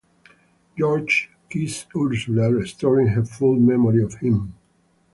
George kisses Ursula, restoring her full memory of him.